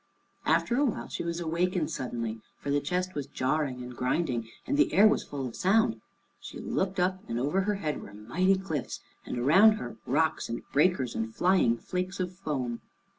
After a while she was awakened suddenly, for the chest was jarring and grinding, and the air was full of sound. She looked up, and over her head were mighty cliffs, and around her rocks and breakers and flying flakes of foam.